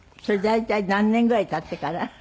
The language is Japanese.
それ大体何年ぐらい経ってから？